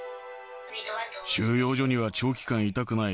収容所には長期間いたくない。